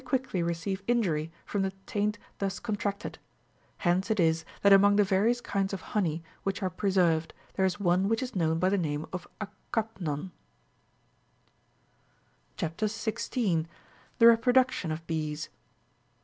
quickly receive injury from the taint thus contracted : hence it is that among the various kinds of honey which are pre served, there is one which is known by the name of acapnonJ* CHAP. 16. THE REPRODUCTION OF PEES.